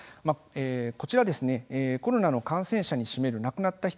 こちらはコロナの感染者に占める亡くなった人の割合